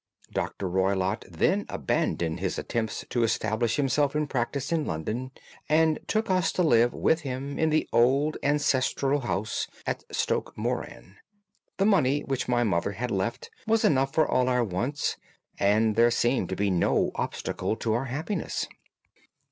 Dr. Roylott then abandoned his attempts to establish himself in practice in London and took us to live with him in the old ancestral house at Stoke Moran. The money which my mother had left was enough for all our wants, and there seemed to be no obstacle to our happiness.